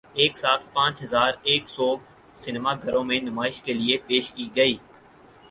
ایک ساتھ پانچ ہزار ایک سو سینما گھروں میں نمائش کے لیے پیش کی گئی